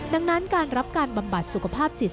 ดังนั้นการรับการบำบัดสุขภาพจิต